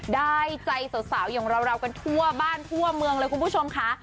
ได้ใจสาวอย่างเรากันทั่วบ้านทั่วเมืองเลยคุณผู้ชมค่ะ